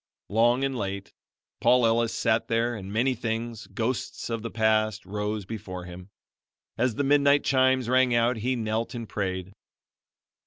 Long and late, Paul Ellis sat there and many things, ghosts of the past, rose before him. As the midnight chimes rang out he knelt and prayed.